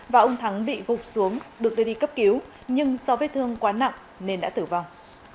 và ông thắng bị gục xuống được đưa đi cấp cứu nhưng do vết thương quá nặng nên đã tử vong